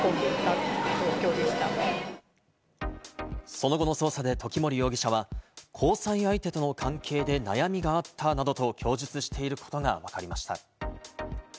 その後の捜査で、時森容疑者は交際相手との関係で悩みがあったなどと供述していることがわかりました。